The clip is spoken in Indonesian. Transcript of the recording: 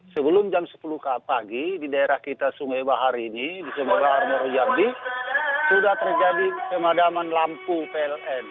sebelum jam sepuluh pagi di daerah kita sungai bahar ini di sumatera arno riyadi sudah terjadi kemadaman lampu pln